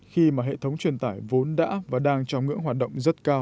khi mà hệ thống truyền tải vốn đã và đang trong ngưỡng hoạt động rất cao